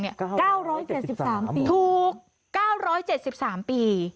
๙๗๓ปีถูก๙๗๓ปี